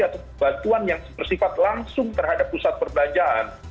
atau bantuan yang bersifat langsung terhadap pusat perbelanjaan